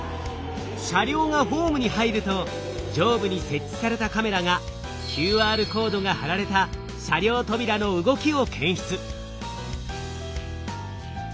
車両がホームに入ると上部に設置されたカメラがＱＲコードが貼られた車両扉の動きを検出。